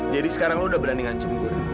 jadi sekarang lu udah berani ngancurin gua